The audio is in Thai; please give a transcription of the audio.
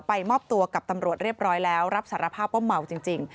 มอบตัวกับตำรวจเรียบร้อยแล้วรับสารภาพว่าเมาจริง